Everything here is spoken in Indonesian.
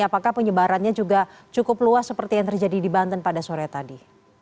apakah penyebarannya juga cukup luas seperti yang terjadi di banten pada sore tadi